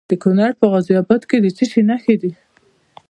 د کونړ په غازي اباد کې د څه شي نښې دي؟